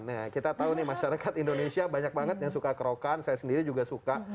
nah kita tahu nih masyarakat indonesia banyak banget yang suka kerokan saya sendiri juga suka